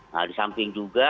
nah disamping juga